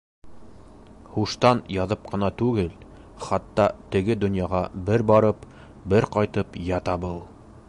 Һуштан яҙып ҡына түгел, хатта теге донъяға бер барып, бер ҡайтып ята был.